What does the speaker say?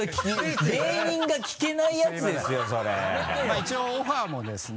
一応オファーもですね